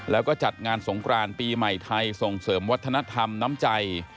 แล้วก็จัดงานสงกรานปีใหม่ไทยส่งเสริมวัฒนธรรมน้ำใจ